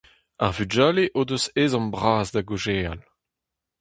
Ar vugale o deus ezhomm bras da gaozeal.